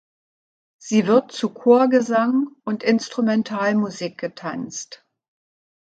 Sie wird zu Chorgesang und Instrumentalmusik getanzt.